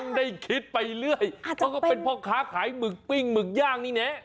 ทั้งได้คิดไปเรื่อยก็เป็นเพราะข้าขายหมึกปิ้งหมึกย่างนี่แนะ